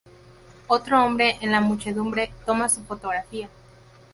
Otro hombre en la muchedumbre toma su fotografía.